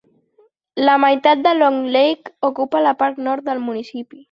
La meitat de Long Lake ocupa la part nord del municipi.